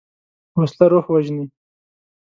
وسله روح وژني